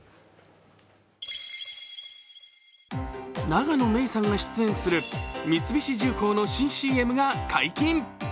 永野芽郁さんが出演する三菱重工の新ＣＭが解禁。